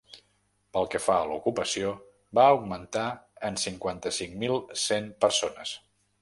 Pel que fa a l’ocupació, va augmentar en cinquanta-cinc mil cent persones.